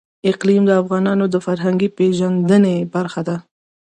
اقلیم د افغانانو د فرهنګي پیژندنې برخه ده.